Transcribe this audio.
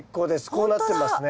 こうなってますね。